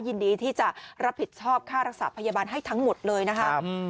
ยินดีที่จะรับผิดชอบค่ารักษาพยาบาลให้ทั้งหมดเลยนะครับ